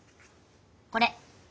これ。